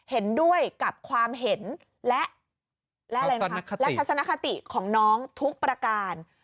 เห็นด้วยกับความเห็นและทัศนคติของน้องทุกประการ